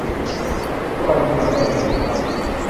สบายดีค่ะแม่ เหนื่อยนิดหน่อย